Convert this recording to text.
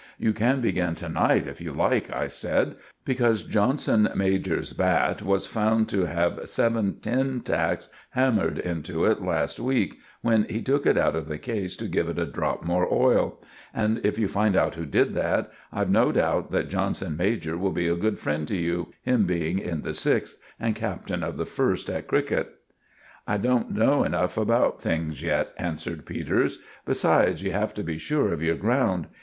"You can begin to night, if you like," I said; "because Johnson major's bat was found to have seven tin tacks hammered into it last week, when he took it out of the case to give it a drop more oil; and if you find out who did that, I've no doubt that Johnson major will be a good friend to you—him being in the sixth and captain of the first at cricket." "I don't know enough about things yet," answered Peters. "Besides, you have to be sure of your ground.